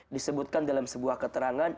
disebutkan dalam sebuah keterangan